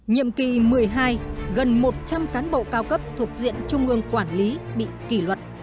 nhiệm kỳ một mươi hai gần một trăm linh cán bộ cao cấp thuộc diện trung ương quản lý bị kỷ luật